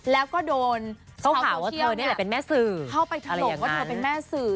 แล้วก็โดนเข้าข่าวว่าเธอนี่แหละเป็นแม่สื่อเข้าไปถลงว่าเธอเป็นแม่สื่อ